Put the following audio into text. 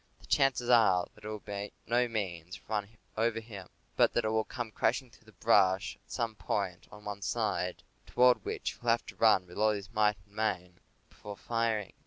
The chances are that it will by no means run over him, but that it will come crashing through the brush at some point on one side, toward which he will have to run with all his might and main before firing.